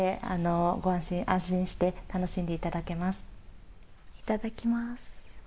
いただきます。